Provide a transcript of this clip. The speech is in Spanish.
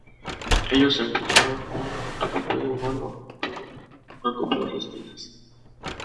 Ellos emplearon un torpedo humano para acoplar las minas.